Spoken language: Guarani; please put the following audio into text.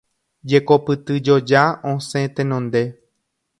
Jekopytyjoja osẽ tenonde.